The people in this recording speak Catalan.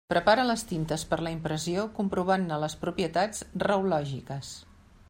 Prepara les tintes per a la impressió, comprovant-ne les propietats reològiques.